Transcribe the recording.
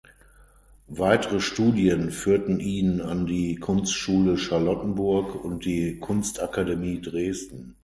Weitere Studien führten ihn an die Kunstschule Charlottenburg und die Kunstakademie Dresden.